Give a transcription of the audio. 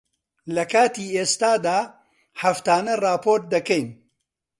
لەکاتی ئێستادا، هەفتانە ڕاپۆرت دەکەین.